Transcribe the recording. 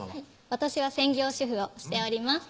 私は専業主婦をしております